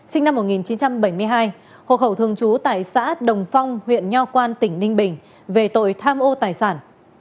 sinh năm một nghìn chín trăm bảy mươi hai hộ khẩu thường trú tại xã đồng phong huyện nho quan tỉnh ninh bình về tội tham ô tài sản